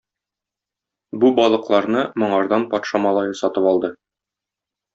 Бу балыкларны моңардан патша малае сатып алды.